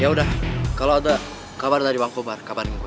ya udah kalau ada kabar dari bang kobar kabarin gua